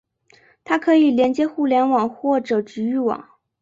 它可以连接互联网或者局域网。